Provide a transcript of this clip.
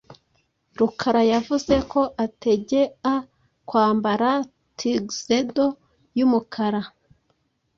Rukara yavuze ko ategaa kwambara tuxedo y'umukara.